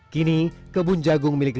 kini kebun jagung milik